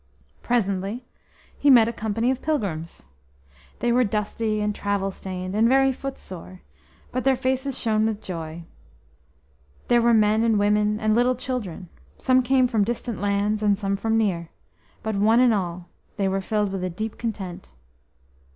Presently he met a company of pilgrims. They were dusty and travel stained, and very footsore, but their faces shone with joy. There were men and women and little children; some came from distant lands, and some from near, but one and all they were filled with a deep content.